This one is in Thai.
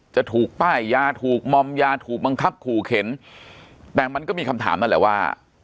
จะถูกป้ายยาถูกมอมยาถูกบังคับขู่เข็นแต่มันก็มีคำถามนั่นแหละว่า